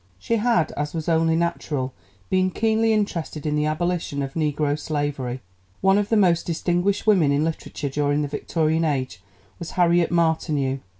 She had, as was only natural, been keenly interested in the abolition of negro slavery. One of the most distinguished women in literature during the Victorian Age was Harriet Martineau.